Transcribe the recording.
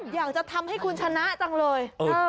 อยากจะทำให้คุณชนะจังเลย